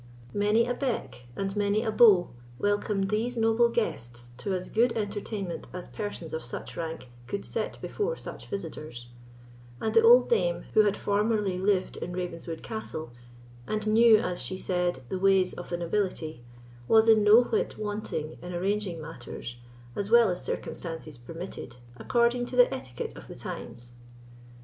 Many a beck and many a bow welcomed these noble guests to as good entertainment as persons of such rank could set before such visitors; and the old dame, who had formerly lived in Ravenswood Castle, and knew, as she said, the ways of the nobility, was in no whit wanting in arranging matters, as well as circumstances permitted, according to the etiquette of the times.